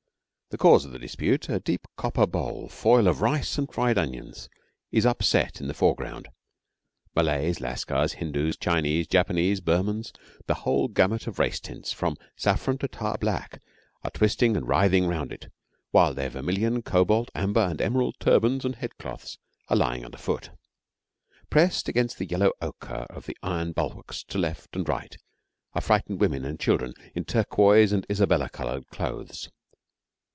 The cause of the dispute, a deep copper bowl full of rice and fried onions, is upset in the foreground. Malays, Lascars, Hindus, Chinese, Japanese, Burmans the whole gamut of racetints, from saffron to tar black are twisting and writhing round it, while their vermilion, cobalt, amber, and emerald turbans and head cloths are lying underfoot. Pressed against the yellow ochre of the iron bulwarks to left and right are frightened women and children in turquoise and isabella coloured clothes.